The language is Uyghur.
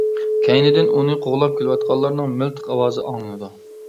كەينىدىن ئۇنى قوغلاپ كېلىۋاتقانلارنىڭ مىلتىق ئاۋازى ئاڭلىنىدۇ.